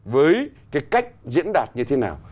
với cái cách diễn đạt như thế nào